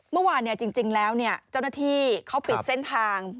เมื่อวานจริงแล้วเจ้าหน้าที่เขาปิดเส้นทาง